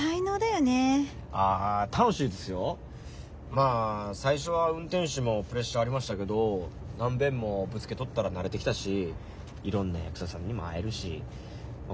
まあ最初は運転手もプレッシャーありましたけど何べんもぶつけとったら慣れてきたしいろんな役者さんにも会えるしま